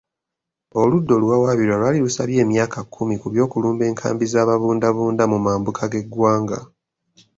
Oludda oluwawaabirwa lwali lusabye emyaka kumi ku by'okulumba enkambi z'ababundabunda mu mambuka g'eggwanga .